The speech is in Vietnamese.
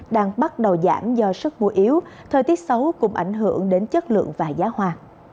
đang bắt đầu giảm do sức mua yếu thời tiết xấu cũng ảnh hưởng đến chất lượng và giá hoa